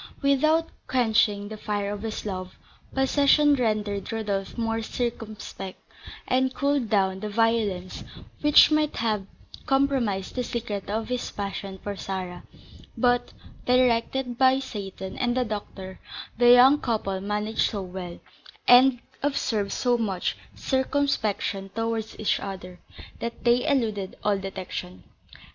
Without quenching the fire of his love, possession rendered Rodolph more circumspect, and cooled down that violence which might have compromised the secret of his passion for Sarah; but, directed by Seyton and the doctor, the young couple managed so well, and observed so much circumspection towards each other, that they eluded all detection.